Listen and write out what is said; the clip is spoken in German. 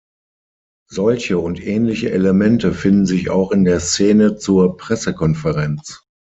Solche und ähnliche Elemente finden sich auch in der Szene zur Pressekonferenz.